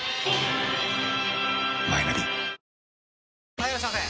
・はいいらっしゃいませ！